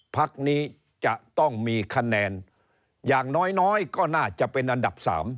พักนี้จะต้องมีคะแนนอย่างน้อยก็น่าจะเป็นอันดับ๓